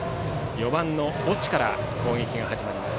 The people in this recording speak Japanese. ４番の越智から攻撃が始まります。